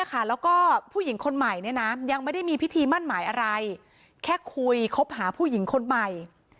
แล้วก็ผู้หญิงคนใหม่ยังไม่ได้มีพิธีมั่นหมายอะไรแค่คุยคบหาผู้หญิงคนใหม่